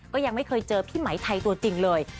ก็ยังไม่เคยเจอพี่ไหมไทยตัวจริงเลย